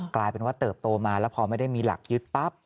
กลายเป็นว่าเติบโตมาแล้วพอไม่ได้มีหลักยึดปั๊บ